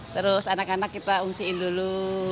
terus anak anak kita ungsiin dulu